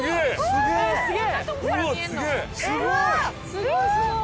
すごいすごい！